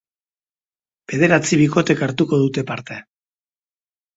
Bederatzi bikotek hartuko dute parte.